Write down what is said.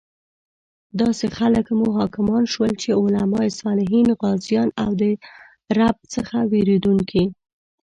داسې خلک مو حاکمان شول چې علماء، صالحین، غازیان او د رب څخه ویریدونکي